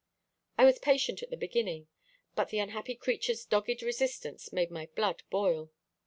"I was patient at the beginning; but the unhappy creature's dogged resistance made my blood boil.